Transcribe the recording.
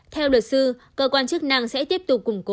theo luật sư cơ quan chức năng sẽ tiếp tục củng cố